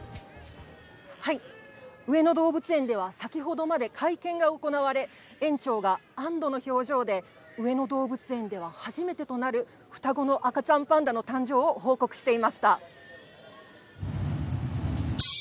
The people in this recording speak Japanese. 上野動物園では先ほどまで会見が行われ、園長が安堵の表情で上野動物園では初めてとなる双子の赤ちゃんパンダの誕生を報告していました。